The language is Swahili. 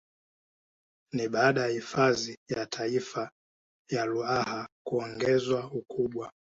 Ni baada ya hifadhi ya Taifa ya Ruaha kuongezwa ukubwa